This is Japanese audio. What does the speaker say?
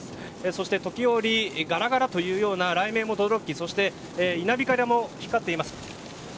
そして時折がらがらというような雷鳴もとどろき稲光も光っています。